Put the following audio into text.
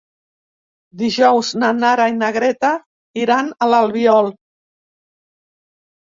Dijous na Nara i na Greta iran a l'Albiol.